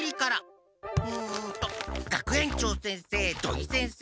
うんと学園長先生土井先生